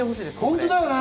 本当だよね。